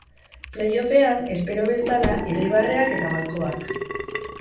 Play-offean, espero bezala, irribarreak eta malkoak.